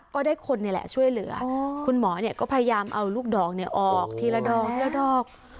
ก็ได้คนช่วยเหลือคุณหมอเนี่ยก็พยายามเอาลูกดอกออกทีละดอก